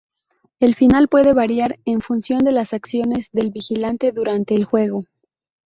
El final puede variar en función de las acciones del vigilante durante el juego.